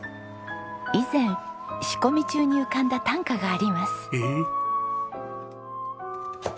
以前仕込み中に浮かんだ短歌があります。